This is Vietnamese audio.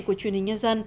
của chúng tôi